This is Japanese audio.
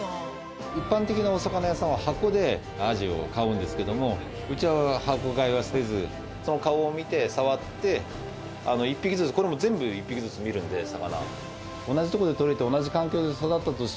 一般的なお魚屋さんは箱でアジを買うんですけどもうちは箱買いはせずその顔を見て触って１匹ずつこれもう全部１匹ずつ見るんで魚。